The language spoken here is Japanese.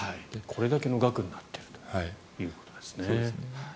これだけの額になっているということですね。